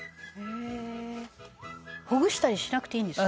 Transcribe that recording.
「ほぐしたりしなくていいんですか？」